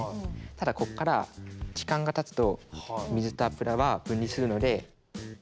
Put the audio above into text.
ただここから時間がたつと水と油は分離するので。